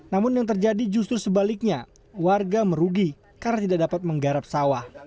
namun yang terjadi justru sebaliknya warga merugi karena tidak dapat menggarap sawah